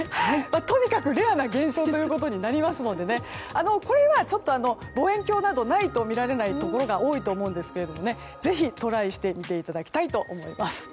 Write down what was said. とにかくレアな現象になりますのでこれは望遠鏡などがないと見られないところが多いと思いますがぜひ、トライしていただきたいと思います。